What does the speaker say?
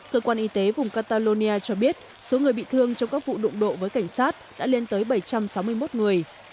cơ quan y tế vùng catalonia cho biết số người bị thương trong các vụ đụng độ với cảnh sát đã lên tới bảy trăm sáu mươi một người